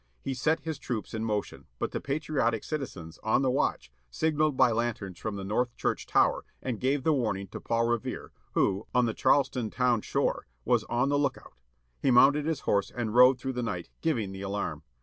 He set his troops in motion, but the patriotic citizens, on the watch, signalled by lanterns from the North Church tower, and gave the warning to Paul Revere who, on the Charlestown shore, was on the look out. He mounted his horse and rode through the night, giving the alarm.